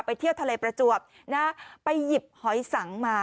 เที่ยวทะเลประจวบนะไปหยิบหอยสังมา